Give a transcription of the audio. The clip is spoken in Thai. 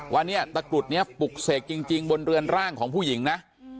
ว่าเนี่ยตะกรุดนี้ปลุกเสกจริงบนเรือนร่างของผู้หญิงนะ